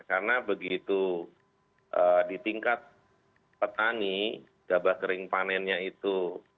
karena begitu di tingkat petani gabah sering panennya itu